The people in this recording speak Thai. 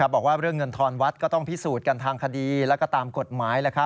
บอกว่าเรื่องเงินทอนวัดก็ต้องพิสูจน์กันทางคดีและก็ตามกฎหมาย